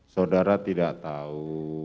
saudara tidak tahu